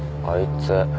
あいつ。